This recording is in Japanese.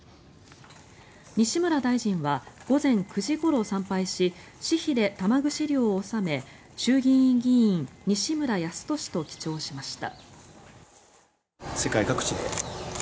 西村大臣は午前９時ごろ参拝し私費で玉串料を納め衆議院議員西村康稔と記帳しました。